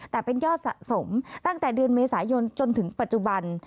แต่เป็นยอดสะสมตั้งแต่เดือนเมษายนจนถึงปัจจุบัน